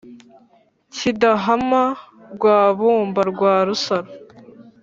kidahama rwabumba rwa rusaro,